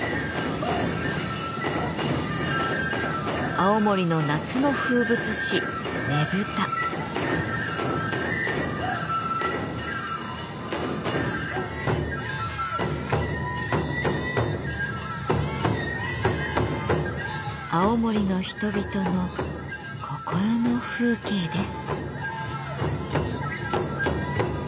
青森の夏の風物詩青森の人々の心の風景です。